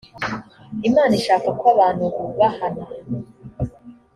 imana ishaka ko abantu bubahana.